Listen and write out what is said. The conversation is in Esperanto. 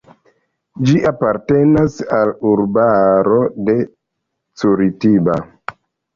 Ĝia apartenas al urbaro de Curitiba.